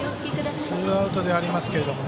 ツーアウトではありますが。